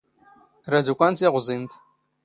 ⵔⴰⴷ ⵓⴽⴰⵏ ⵜⵉⵖⵥⵉⵏⴷ.